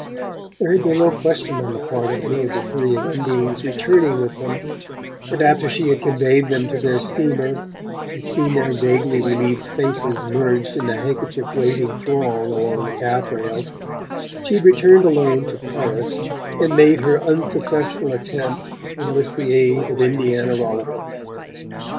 There had been no question on the part of any of the three of Undine's returning with them; and after she had conveyed them to their steamer, and seen their vaguely relieved faces merged in the handkerchief waving throng along the taffrail, she had returned alone to Paris and made her unsuccessful attempt to enlist the aid of Indiana Rolliver.